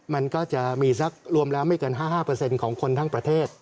มันก็จะมีสักรวมแล้วไม่เกิน๕๕ของคนทั้งประเทศ